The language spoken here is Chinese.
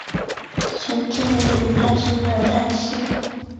瓦索伊。